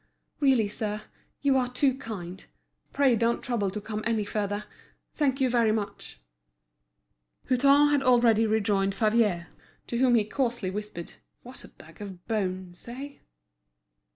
"Really, sir, you are too kind. Pray don't trouble to come any further. Thank you very much." Hutin had already rejoined Favier, to whom he coarsely whispered: "What a bag of bones—eh?"